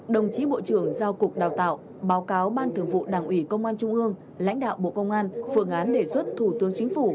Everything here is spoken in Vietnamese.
đồng chí bộ trưởng giao cục đào tạo báo cáo ban thường vụ đảng ủy công an trung ương lãnh đạo bộ công an phương án đề xuất thủ tướng chính phủ